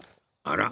あら。